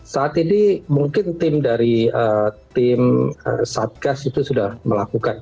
saat ini mungkin tim dari tim satgas itu sudah melakukan